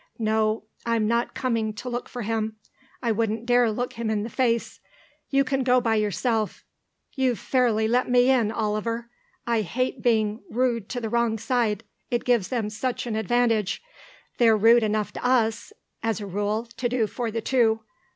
No, I'm not coming to look for him; I wouldn't dare look him in the face; you can go by yourself. You've fairly let me in, Oliver. I hate being rude to the wrong side, it gives them such an advantage. They're rude enough to us, as a rule, to do for the two.